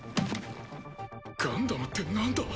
ガンダムってなんだ？